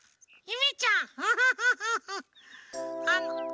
ゆめちゃん？